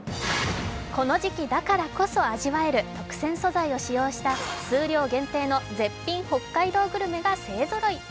この時期だからこそ味わえる特撰素材を使用した数量限定の絶品北海道グルメが勢ぞろい！